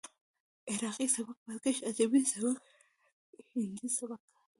عراقي سبک، بازګشت ادبي سبک، هندي سبک دى.